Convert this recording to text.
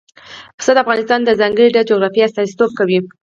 پسه د افغانستان د ځانګړي ډول جغرافیه استازیتوب کوي.